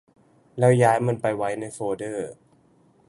แล้วย้ายมันไปไว้ในโฟลเดอร์